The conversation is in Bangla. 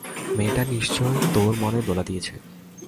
মেয়েটা নিশ্চয়ই তোর মনে দোলা দিয়েছে!